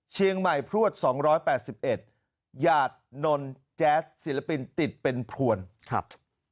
เชียงใหม่พรวจสองร้อยแปดสิบเอ็ดหญาตินอนแจ๊สศิลปินติดเป็นพวนครับ